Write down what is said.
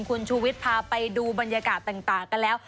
คุณชูวิทย์พาไปดูบรรยากาศต่างกันแล้ว